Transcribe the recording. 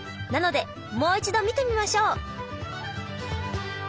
なのでもう一度見てみましょう！